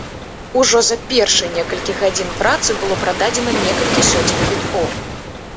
Ужо за першыя некалькі гадзін працы было прададзена некалькі соцень квіткоў.